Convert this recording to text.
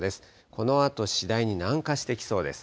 このあと次第に南下してきそうです。